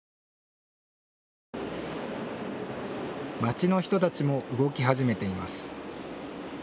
町の人たちも動き始めています。